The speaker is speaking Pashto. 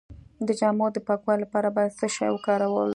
د جامو د پاکوالي لپاره باید څه شی وکاروم؟